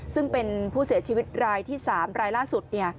ซึ่งเป็นผู้เสียชีวิตรายที่๓รายล่าสุด